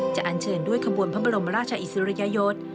อันเชิญด้วยขบวนพระบรมราชอิสริยยศ